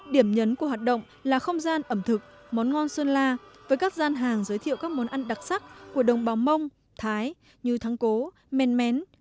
điểm nhấn của hoạt động là không gian ẩm thực món ngon sơn la với các gian hàng giới thiệu các món ăn đặc sắc của đồng bào mông thái như thắng cố men mén